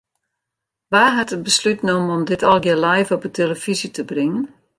Wa hat it beslút nommen om dit allegearre live op 'e telefyzje te bringen?